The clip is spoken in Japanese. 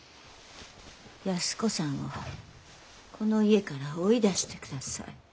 安子さんをこの家から追い出してください。